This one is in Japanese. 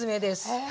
へえ。